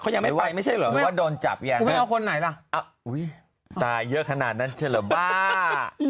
ยังรู้หรือไหมหนูว่าโดนจับอย่างอ๋ออุ้ยตายเยอะขนาดนั้นเช่นแหละบ้า